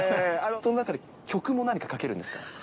その中で曲も何かかけるんですか？